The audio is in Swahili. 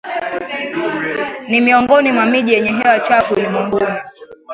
ni miongoni mwa miji yenye hewa chafu ulimwenguni